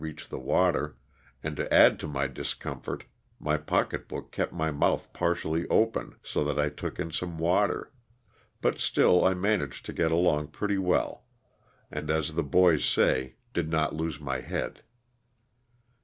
245 reach the water, and to add to my discomfort my pocketbook kept my mouth partially open so that I took in some water, but still I managed to get along pretty well and as the boys say '^ did not lose my head."